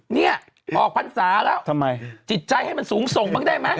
เนี่ยออกพันษาแล้วจิตใจให้มันสูงส่งบ้างได้ไหมทำไม